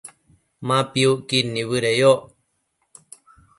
Ma piucquid nibëdeyoc